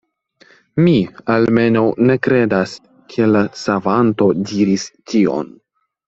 Mi, almenaŭ ne kredas ke la Savanto diris tion.